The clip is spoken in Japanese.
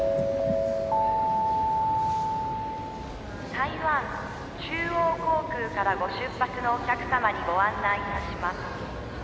「台湾中央航空からご出発のお客様にご案内いたします」